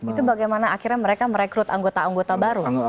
itu bagaimana akhirnya mereka merekrut anggota anggota baru